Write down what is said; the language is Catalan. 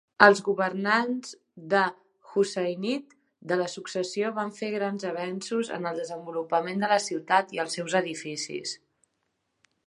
Els governants de Husainid de la successió van fer grans avenços en el desenvolupament de la ciutat i els seus edificis.